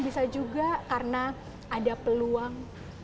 bisa juga karena ada peluang